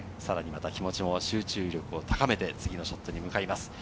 集中力を高めて、次のショットに向かいます。